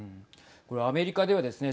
これアメリカではですね